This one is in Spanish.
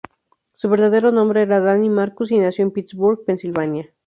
Su verdadero nombre era Danny Marcus, y nació en Pittsburgh, Pensilvania.